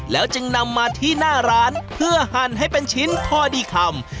แล้วจึงนำมาที่หน้าร้านเพื่อหั่นให้เป็นชิ้นพอดีคำ